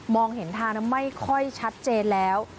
เห็นทางไม่ค่อยชัดเจนแล้ว